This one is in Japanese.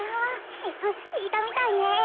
ねつひいたみたいね。